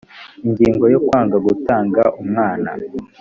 ingingo ya kwanga gutanga umwana